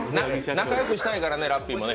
仲良くしたいからねラッピーもね。